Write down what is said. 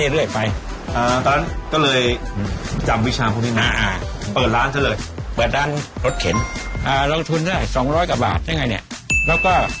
หรือเซิร์ฟอาหารแล้วก็ให้ในครัว